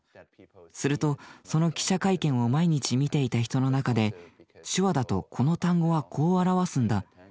するとその記者会見を毎日見ていた人の中で「手話だとこの単語はこう表すんだ」